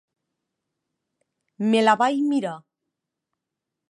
Me la vaig mirar.